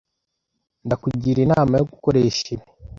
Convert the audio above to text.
Ndakugira inama yo gukoresha ibi.